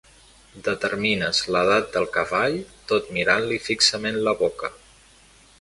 Determines l'edat del cavall tot mirant-li fixament la boca.